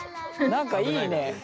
何かいいね。